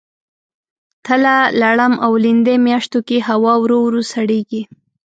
تله ، لړم او لیندۍ میاشتو کې هوا ورو ورو سړیږي.